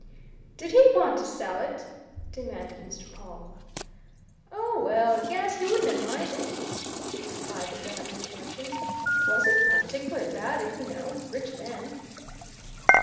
"Did he want to sell it?" demanded Mr. Pawle. "Oh, well, yes he wouldn't have minded," replied the diamond merchant. "Wasn't particular about it, you know rich man."